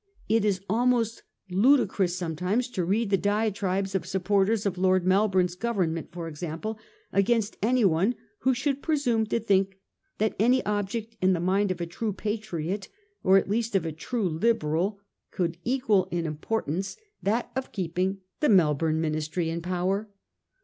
It is almost ludicrous sometimes to read the diatribes of suppor '''ters of Lord Melbourne's Government, for example, against anyone who should presume to think that any object in the mind of a true patriot, or at least of a true Liberal, could equal in importance that 852 A HISTORY OF OUR OWN TIMES. OH. XIY. of keeping tlie Melbourne Ministry in power.